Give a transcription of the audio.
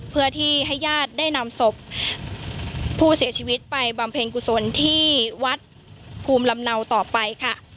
เพื่อที่ให้ญาติได้นำศพผู้เสียชีวิตไปบำเพ็ญกุศลที่วัดภูมิลำเนาต่อไปค่ะ